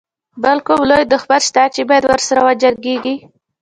بل کوم لوی دښمن شته چې باید ورسره وجنګيږي.